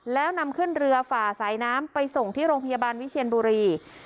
แล้วนำขึ้นเรือฝ่าสายน้ำไปส่งที่โรงพยาบาลวิเชียนบุรี